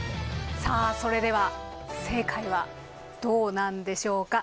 さあそれでは正解はどうなんでしょうか？